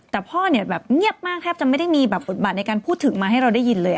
แต่พ่อเนี่ยแบบเงียบมากแทบจะไม่ได้มีแบบบทบาทในการพูดถึงมาให้เราได้ยินเลย